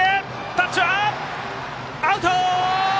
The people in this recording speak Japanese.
タッチはアウト！